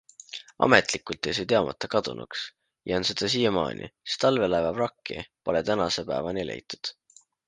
Ametlikult jäi see teadmata kadunuks ja on seda siiamaani, sest allveelaeva vrakki pole tänase päevani leitud.